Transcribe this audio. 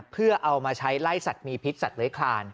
เพื่อเอามาใช้ไล่สัตว์มีพิษสัตว์เลื้อยคลาน